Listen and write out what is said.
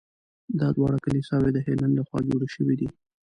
دا دواړه کلیساوې د هیلن له خوا جوړې شوي دي.